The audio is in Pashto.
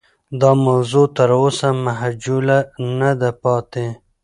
دا موضوع تر اوسه مجهوله نه ده پاتې.